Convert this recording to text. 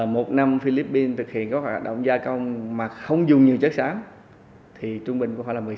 một năm philippines thực hiện các hoạt động gia công mà không dùng nhiều chất sáng thì trung bình có phải là một mươi sáu